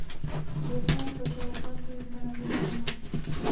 د تانک په شا او خوا کې ګڼه ګوڼه نه وه.